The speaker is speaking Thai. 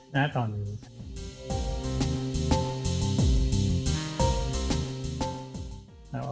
น่าตอนนี้